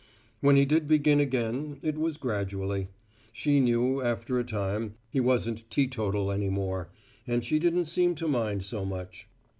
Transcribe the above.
When he did begin again, it was gradually. She knew, after a time, he wasn't teetotal any more, and she didn't seem to mind so much.